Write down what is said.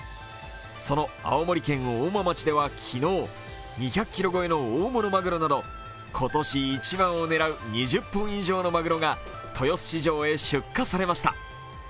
その青森県大間町では昨日、２００ｋｇ超えの大物マグロなど今年一番を狙う２０本以上のマグロが豊洲市場へ出荷されました。